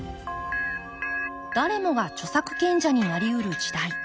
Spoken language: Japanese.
誰もが著作権者になりうる時代。